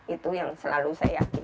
itu yang selalu saya yakin